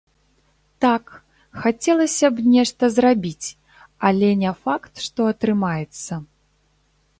Так, хацелася б нешта зрабіць, але не факт, што атрымаецца.